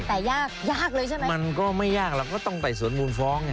แต่ยากยากเลยใช่ไหมมันก็ไม่ยากเราก็ต้องไต่สวนมูลฟ้องไง